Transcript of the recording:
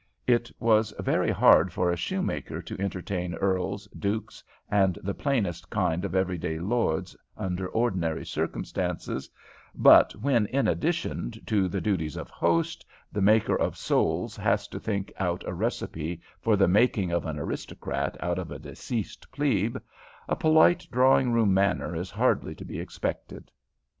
It is very hard for a shoemaker to entertain earls, dukes, and the plainest kind of every day lords under ordinary circumstances; but when, in addition to the duties of host, the maker of soles has to think out a recipe for the making of an aristocrat out of a deceased plebe, a polite drawing room manner is hardly to be expected.